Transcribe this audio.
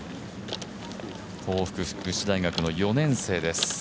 東北福祉大学の４年生です。